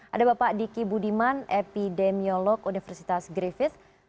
ada bapak diki budiman epidemiolog universitas griffith